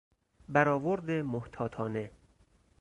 برآورد محتاطانه